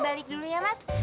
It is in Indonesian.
balik dulu ya mas